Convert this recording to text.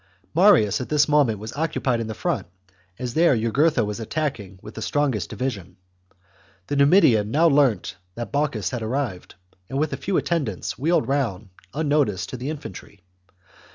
Marius at this moment was occupied in the front, as there Jugurtha was attacking with the strongest division. The Numidian now learnt that Bocchus had arrived, and, with a few attendants, wheeled round, unnoticed, to the infantry.